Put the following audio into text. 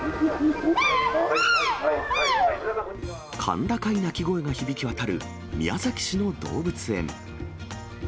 甲高い鳴き声が響き渡る宮崎市の動物園。